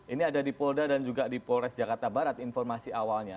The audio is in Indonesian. ini ada di polda dan juga di polres jakarta barat informasi awalnya